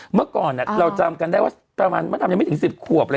เมื่อก่อนเราจำกันได้ว่าประมาณไม่ถึง๑๐ขวบ